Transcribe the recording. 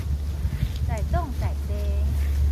在當在地